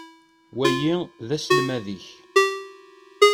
Wahi d aselmad-ik?